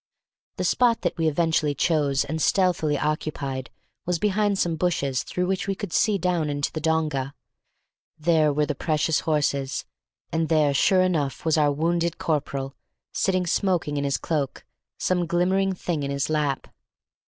The spot that we eventually chose and stealthily occupied was behind some bushes through which we could see down into the donga; there were the precious horses; and there sure enough was our wounded corporal, sitting smoking in his cloak, some glimmering thing in his lap.